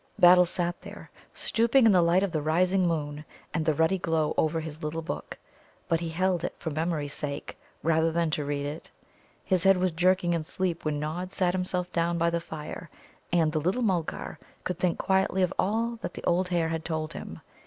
Battle sat there, stooping in the light of the rising moon and the ruddy glow over his little book. But he held it for memory's sake rather than to read in it. His head was jerking in sleep when Nod sat himself down by the fire, and the little Mulgar could think quietly of all that the old hare had told him.